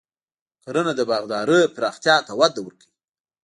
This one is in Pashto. کرنه د باغدارۍ پراختیا ته وده ورکوي.